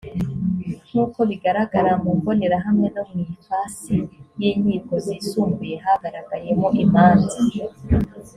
nk uko bigaragara mu mbonerahamwe no mu ifasi y’inkiko zisumbuye hagaragayemo imanza